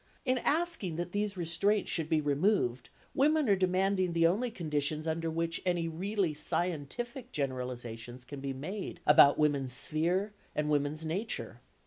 In asking that these restraints should be removed, women are demanding the only conditions under which any really scientific generalisations can be made about woman's sphere and woman's nature.